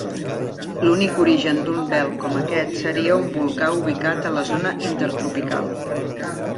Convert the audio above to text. L'únic origen d'un vel com aquest seria un volcà ubicat a la zona intertropical.